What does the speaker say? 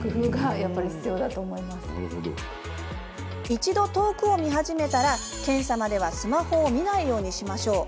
一度遠くを見始めたら、検査までスマホを見ないようにしましょう。